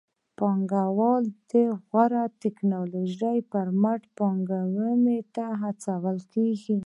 پانګوال د غوره ټکنالوژۍ پر مټ پانګونې ته هڅول کېږي.